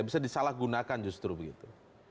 bisa disalahgunakan justru begitu